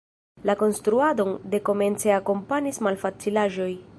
La konstruadon de komence akompanis malfacilaĵoj.